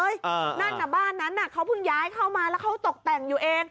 นั่นน่ะบ้านนั้นเขาเพิ่งย้ายเข้ามาแล้วเขาตกแต่งอยู่เอง